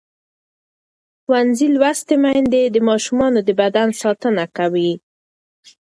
ښوونځې لوستې میندې د ماشومانو د بدن ساتنه کوي.